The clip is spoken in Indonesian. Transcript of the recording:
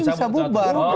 ini bisa bubar